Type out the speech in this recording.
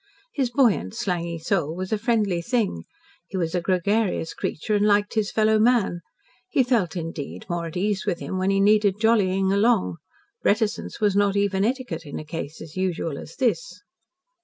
His buoyant, slangy soul was a friendly thing. He was a gregarious creature, and liked his fellow man. He felt, indeed, more at ease with him when he needed "jollying along." Reticence was not even etiquette in a case as usual as this.